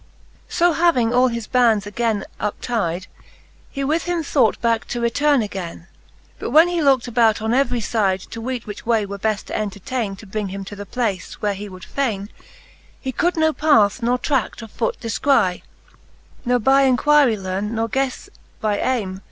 So having all his bands againe uptydc, He with him thought backe to returne againe : But when he lookt about on every fyde, To weet which way were beft to entertalne, To bring him to the place, where he would faiiie, He could no path nor trad: of foot defcry, Ne by inquirie learne, nor ghefle by ayme.